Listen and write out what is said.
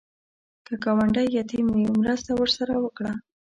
که ګاونډی یتیم وي، مرسته ورسره وکړه